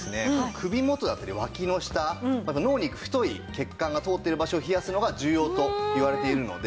首元だったり脇の下また脳に行く太い血管が通ってる場所を冷やすのが重要といわれているので。